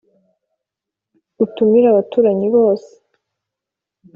utumira abaturanyi bose